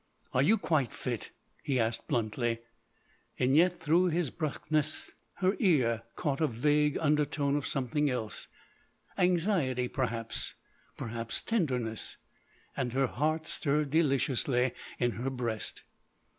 "Are you quite fit?" he asked bluntly. Yet, through his brusqueness her ear caught a vague undertone of something else—anxiety perhaps—perhaps tenderness. And her heart stirred deliciously in her breast.